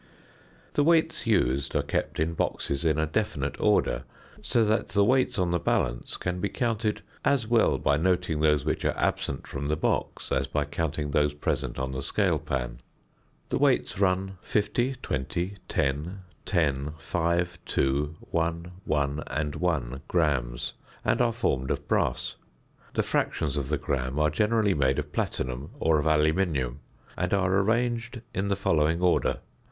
The weights used are kept in boxes in a definite order, so that the weights on the balance can be counted as well by noting those which are absent from the box as by counting those present on the scale pan. The weights run 50, 20, 10, 10, 5, 2, 1, 1 and 1 grams, and are formed of brass. The fractions of the gram are generally made of platinum or of aluminium, and are arranged in the following order: 0.